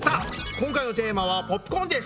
今回のテーマは「ポップコーン」です。